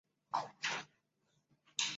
苏哈列夫塔曾是莫斯科的门户。